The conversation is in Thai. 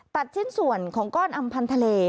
ตัดชิ้นส่วนของก้อนอำพันธ์ทะเล